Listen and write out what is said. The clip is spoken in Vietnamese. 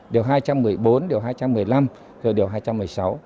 điều hai trăm một mươi bốn điều hai trăm một mươi năm rồi điều hai trăm một mươi sáu